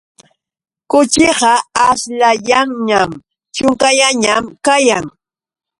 Kuchiqa aśhllayanñam, ćhunkallañam kayan.